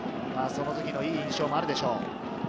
その時のいい印象もあるでしょう。